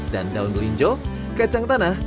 dan daun melinjo kacang tanah